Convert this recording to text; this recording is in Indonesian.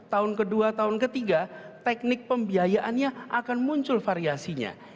tahun ke dua tahun ke tiga teknik pembiayaannya akan muncul variasinya